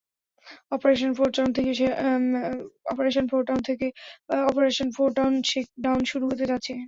Operation ফোরটাউন shakedown শুরু হতে যাচ্ছে।